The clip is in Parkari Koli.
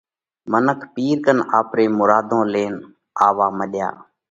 منک پِير ڪنَ آپري مُراڌون لينَ آوَووا مڏيا۔